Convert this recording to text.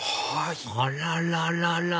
あらららら！